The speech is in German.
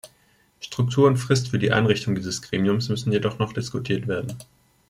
Struktur und Frist für die Einrichtung dieses Gremiums müssen jedoch noch diskutiert werden.